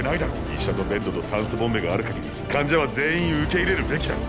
医者とベッドと酸素ボンベがある限り患者は全員受け入れるべきだ。